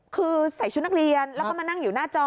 คือใส่ชุดนักเรียนแล้วก็มานั่งอยู่หน้าจอ